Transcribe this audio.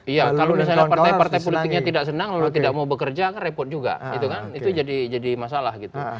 iya kalau misalnya partai partai politiknya tidak senang lalu tidak mau bekerja kan repot juga itu jadi masalah gitu